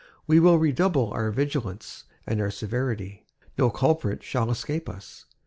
We will redouble our vigilance and our severity. No culprit shall escape us.